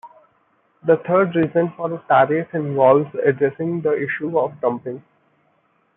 The third reason for a tariff involves addressing the issue of dumping.